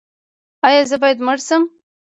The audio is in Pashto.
ایا زه باید مشر شم؟